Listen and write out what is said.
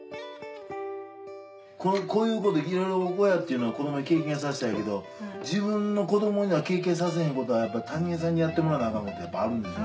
こういうこと日頃親っていうのは子どもに経験させたいけど自分の子どもには経験させへんことはやっぱり他人さんにやってもらわなあかんことやっぱりあるんですよ。